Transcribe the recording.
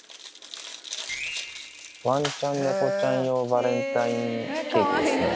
わんちゃん猫ちゃん用バレンタインケーキですね。